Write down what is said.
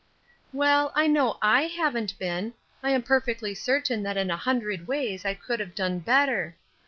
"Well, I know I haven't been; I am perfectly certain that in a hundred ways I could have done better.